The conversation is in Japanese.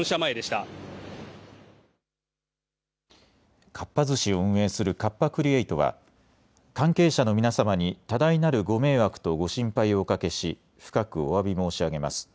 かっぱ寿司を運営するカッパ・クリエイトは関係者の皆様に多大なるご迷惑とご心配をおかけし深くおわび申し上げます。